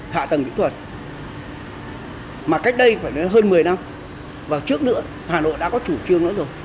hạ tầng kỹ thuật mà cách đây phải đến hơn một mươi năm và trước nữa hà nội đã có chủ trương nữa rồi